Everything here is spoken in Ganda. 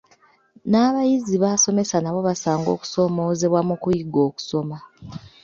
N’abayizi b’asomesa nabo basanga okusoomoozebwa mu kuyiga okusoma.